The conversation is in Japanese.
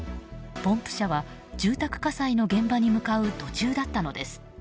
ポンプ車は住宅火災の現場に向かう途中だったのです。